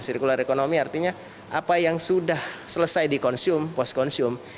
sirkuler ekonomi artinya apa yang sudah selesai dikonsum post konsum